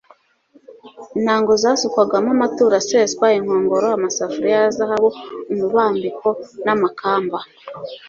intango zasukwagamo amaturo aseswa, inkongoro, amasafuriya ya zahabu, umubambiko n'amakamba